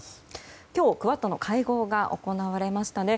今日、クアッドの会合が行われましたね。